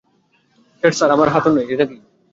কাট sir, আমার হাতও নাই, এটা কি?